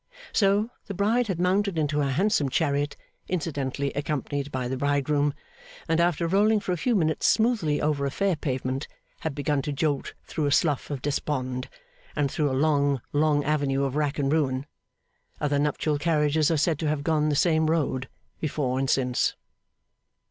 So, the Bride had mounted into her handsome chariot, incidentally accompanied by the Bridegroom; and after rolling for a few minutes smoothly over a fair pavement, had begun to jolt through a Slough of Despond, and through a long, long avenue of wrack and ruin. Other nuptial carriages are said to have gone the same road, before and since.